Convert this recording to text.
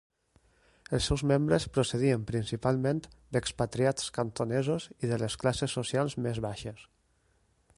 Els seus membres procedien principalment d'expatriats cantonesos i de les classes socials més baixes.